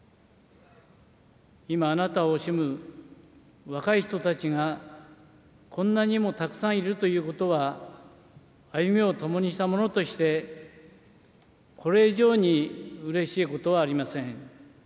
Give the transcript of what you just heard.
今、あなたを惜しむ若い人たちがこんなにもたくさんいるということは歩みを共にした者として、これ以上にうれしいことはありません。